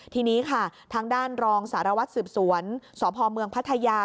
ทีนี้ค่ะทางด้านรองสารวัตรสืบสวนสพเมืองพัทยา